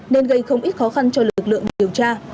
nên gây không ít khó khăn cho lực lượng điều tra